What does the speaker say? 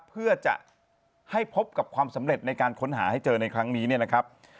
เพื่อจะให้พบกับความสำเร็จในการค้นหาให้เจอในครั้งนี้เนี่ยนะครับ